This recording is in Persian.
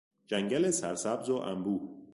جنگل سرسبز و انبوه